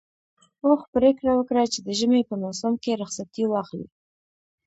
اوښ پرېکړه وکړه چې د ژمي په موسم کې رخصتي واخلي.